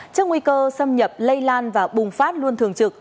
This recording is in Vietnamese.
trước nguy cơ xâm nhập lây lan và bùng phát luôn thường trực